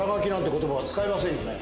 言葉は使いませんよね？